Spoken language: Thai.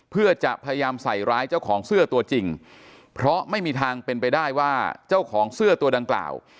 เพื่อจะพยายามใส่ร้ายเจ้าของเสื้อตัวจริงเพราะไม่มีทางเป็นไปได้ว่าเจ้าของเสื้อตัวดังกล่าว